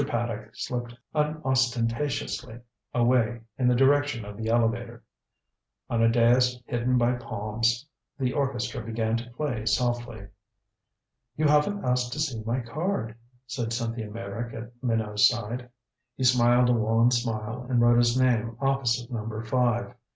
Paddock slipped unostentatiously away in the direction of the elevator. On a dais hidden by palms the orchestra began to play softly. "You haven't asked to see my card," said Cynthia Meyrick at Minot's side. He smiled a wan smile, and wrote his name opposite number five.